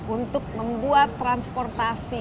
untuk membuat transportasi